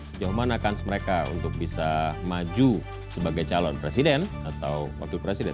sejauh mana kans mereka untuk bisa maju sebagai calon presiden atau wakil presiden